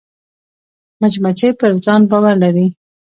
مچمچۍ پر ځان باور لري